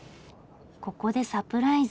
ここでサプライズ。